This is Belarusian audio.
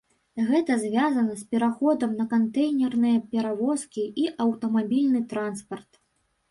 Гэта звязана з пераходам на кантэйнерныя перавозкі і аўтамабільны транспарт.